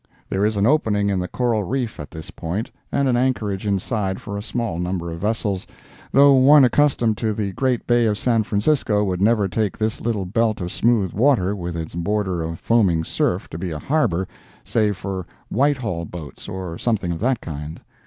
There is an opening in the coral reef at this point, and anchorage inside for a small number of vessels, though one accustomed to the great Bay of San Francisco would never take this little belt of smooth water, with its border of foaming surf, to be a harbor, save for Whitehall boats or something of that kind.